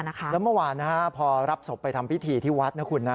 แล้วเมื่อวานพอรับศพไปทำพิธีที่วัดนะคุณนะ